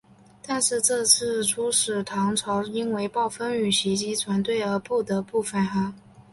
但是这次出使唐朝因为暴风雨袭击船队而不得不返航。